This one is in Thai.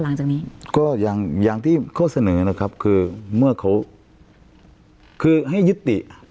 หลังจากนี้ก็อย่างที่ข้อเสนอนะครับคือเมื่อเขาคือให้ยุติ